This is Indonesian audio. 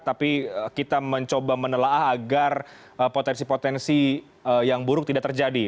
tapi kita mencoba menelaah agar potensi potensi yang buruk tidak terjadi